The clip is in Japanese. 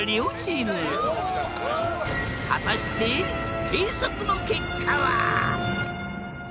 果たして計測の結果は？